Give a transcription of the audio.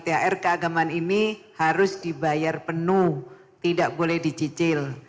thr keagamaan ini harus dibayar penuh tidak boleh dicicil